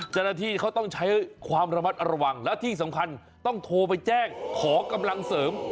เจ้าหน้าที่เขาต้องใช้ความระมัดระวังแล้วที่สำคัญต้องโทรไปแจ้งขอกำลังเสริม